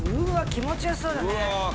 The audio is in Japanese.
気持ち良さそうだね。